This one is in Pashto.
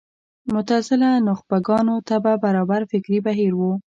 معتزله نخبه ګانو طبع برابر فکري بهیر و